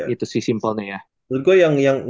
itu sih simpelnya ya